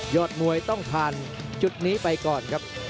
อดมวยต้องผ่านจุดนี้ไปก่อนครับ